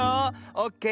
オッケー。